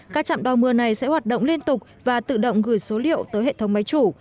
các trạm đo mưa này sẽ hoạt động liên tục và tự động gửi số liệu tới hệ thống máy chủ